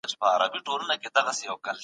حضوري ټولګي د زده کوونکو تعامل پياوړی کړی دی.